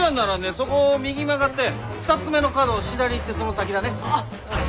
そこを右に曲がって２つ目の角を左行ってその先だね。